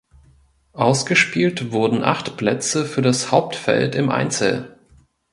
Ausgespielt wurden acht Plätze für das Hauptfeld im Einzel.